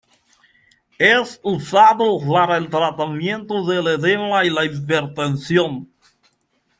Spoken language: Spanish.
Es usado para el tratamiento del edema y la hipertensión.